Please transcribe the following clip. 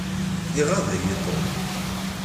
Iɣaḍ-iyi Tom.